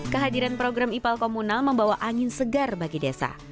kehadiran program ipal komunal membawa angin segar bagi desa